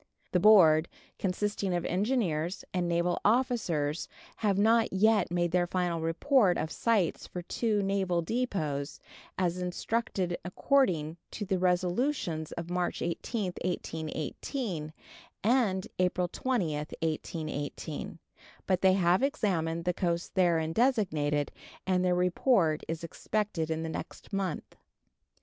The Board, consisting of engineers and naval officers, have not yet made their final report of sites for two naval depots, as instructed according to the resolutions of March 18th, 1818 and April 20th, 1818, but they have examined the coast therein designated, and their report is expected in the next month.